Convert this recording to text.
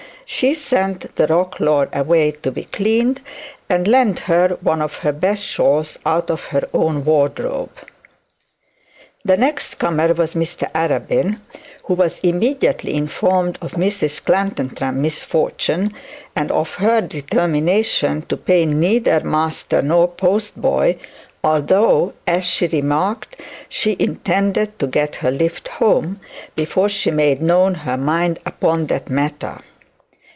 She sent the roquelaure away to be cleaned, and lent her one of her best shawls out of her own wardrobe. The next comer was Mr Arabin, who was immediately informed of Mrs Clantantram's misfortune, and of her determination to pay neither master nor post boy; although, as she remarked, she intended to get her lift home before she made known her mind upon that matter.